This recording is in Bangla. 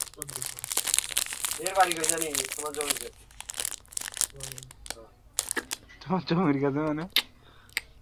আমাদের লবি খালি করে দিতে হবে।